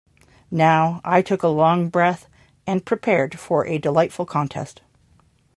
Now, I took a long breath and prepared for a delightful contest.